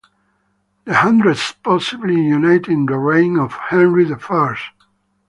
The hundreds possibly united in the reign of Henry the First.